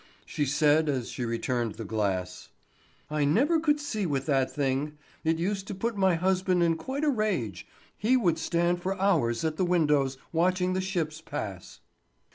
She said as she returned the glass: "I never could see with that thing. It used to put my husband in quite a rage; he would stand for hours at the windows watching the ships pass."